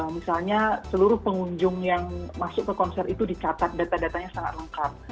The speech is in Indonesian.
misalnya seluruh pengunjung yang masuk ke konser itu dicatat data datanya sangat lengkap